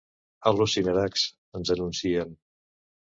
"Al·lucinarax!", ens anuncien.